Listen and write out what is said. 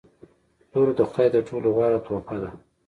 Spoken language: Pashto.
• لور د خدای تر ټولو غوره تحفه ده.